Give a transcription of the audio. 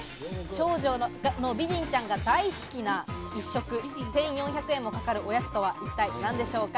長女の美人ちゃんが大好きな１食１４００円もかかるおやつとは、一体何でしょうか？